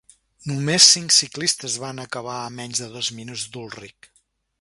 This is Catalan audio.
Només cinc ciclistes van acabar a menys de dos minuts d'Ulrich.